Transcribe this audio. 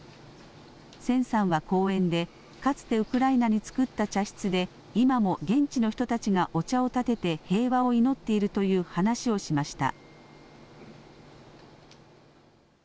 千さんは講演でかつてウクライナに作った茶室で今も現地の人たちがお茶をたてて平和を祈っているという話をしました。